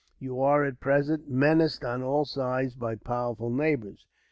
"You are, at present, menaced on all sides by powerful neighbours.